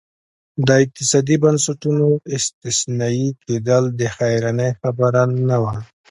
د اقتصادي بنسټونو استثنایي کېدل د حیرانۍ خبره نه وه.